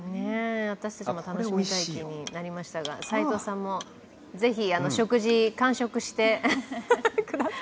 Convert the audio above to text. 私たちも楽しみたい気になりましたが齋藤さんもぜひ食事完食してください。